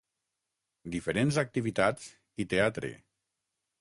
Diferents activitats i teatre.